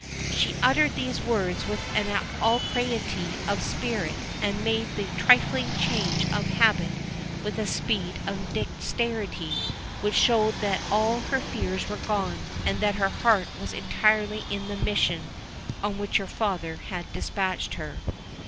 She uttered these words with an alacrity of spirit, and made the trifling change of habit with a speed and dexterity, which showed that all her fears were gone, and that her heart was entirely in the mission on which her father had dispatched her.